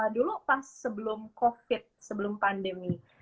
dulu pas sebelum covid sebelum pandemi